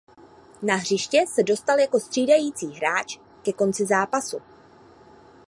Na hřiště se dostal jako střídající hráč ke konci zápasu.